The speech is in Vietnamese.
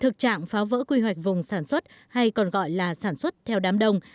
thực trạng phá vỡ quy hoạch vùng sản xuất hay còn gọi là sản xuất theo đám đông